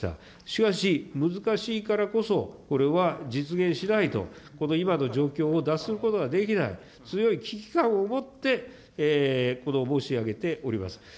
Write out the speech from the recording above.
しかし、難しいからこそ、これは実現しないと、この今の状況を脱することができない、強い危機感を持って申し上げております。